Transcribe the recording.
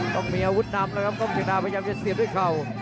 ต้องมีอาวุธดำนะครับคนกินท้าพยายามจะเสียบด้วยเข่า